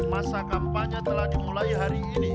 masa kampanye telah dimulai hari ini